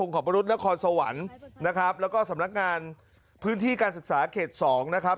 ขอบรุษนครสวรรค์นะครับแล้วก็สำนักงานพื้นที่การศึกษาเขต๒นะครับ